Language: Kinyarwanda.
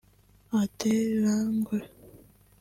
Adel Langue